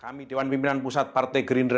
kami dewan pimpinan pusat partai gerindra